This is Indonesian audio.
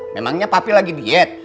memangnya papi lagi diet